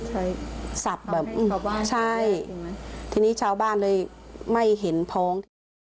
ใช่สับแบบใช่ทีนี้ชาวบ้านเลยไม่เห็นพ้องที่จะ